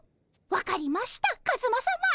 分かりましたカズマさま